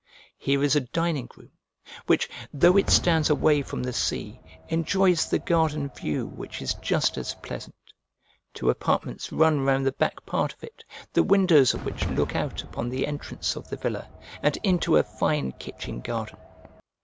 Here is a dining room, which, though it stands away from the sea enjoys the garden view which is just as pleasant: two apartments run round the back part of it, the windows of which look out upon the entrance of the villa, and into a fine kitchen garden.